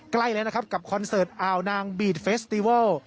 ใกล้แล้วกับคอนเสิร์ตอาวนางบีดเฟสตีเวิล